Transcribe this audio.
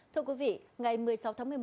thưa quý vị ngày một mươi sáu tháng một mươi một